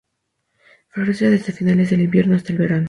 Florece desde finales del invierno y hasta el verano.